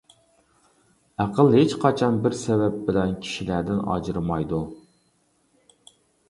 ئەقىل ھېچقاچان بىر سەۋەب بىلەن كىشىلەردىن ئاجرىمايدۇ.